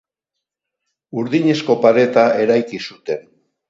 Burdinezko pareta eraiki zuten.